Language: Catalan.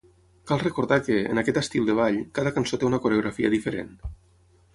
Cal recordar que, en aquest estil de ball, cada cançó té una coreografia diferent.